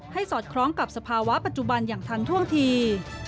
สอดคล้องกับสภาวะปัจจุบันอย่างทันท่วงที